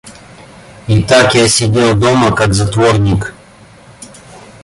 И так я сидел дома как затворник.